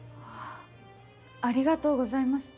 ありがとうございます。